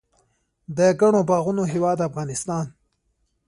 د ګڼو باغونو هیواد افغانستان.